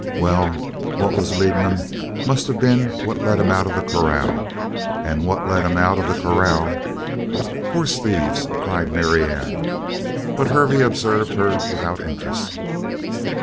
"Well, what was leading 'em must of been what let 'em out of the corral; and what let 'em out of the corral " "Horse thieves!" cried Marianne, but Hervey observed her without interest.